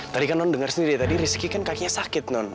tadi kan non dengar sendiri tadi rizky kan kakinya sakit non